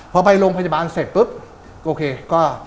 พอไปโรงพยาบาลเสร็จปุ๊บโอเคก็